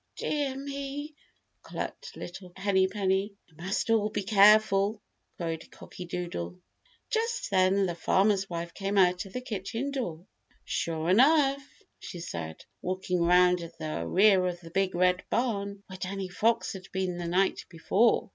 "Dear me," clucked little Henny Penny. "We must all be careful," crowed Cocky Doodle. Just then the Farmer's Wife came out of the kitchen door. "Sure enough," she said, walking around to the rear of the Big Red Barn where Danny Fox had been the night before.